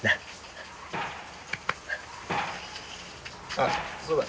あっそうだ。